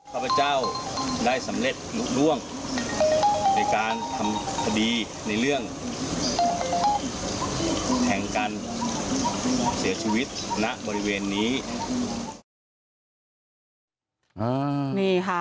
พระเจ้าได้สำเร็จลุ้นที่ความล่วงในการทำทฤดีในเรื่องแทงการเสียชีวิต